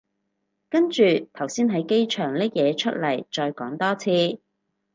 跟住頭先喺機場拎嘢出嚟再講多次